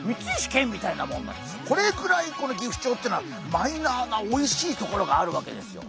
これくらいこのギフチョウっていうのはマイナーなおいしいところがあるわけですよ。